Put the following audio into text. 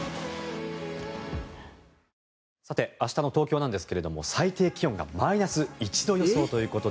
さて明日の東京なんですけれども最低気温がマイナス１度予想ということで